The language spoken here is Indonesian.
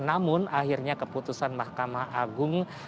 namun akhirnya keputusan mahkamah agung